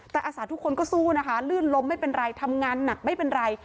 แต่อาสาทุกคนก็สู้นะคะลื่นล้มไม่เป็นไรทำงานหนักไม่เป็นไร